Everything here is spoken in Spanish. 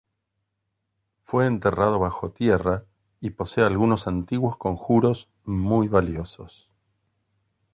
Fue enterrado bajo tierra y posee algunos antiguos conjuros muy valiosos.